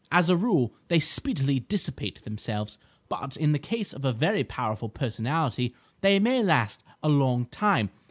As a rule they speedily dissipate themselves, but in the case of a very powerful personality they may last a long time.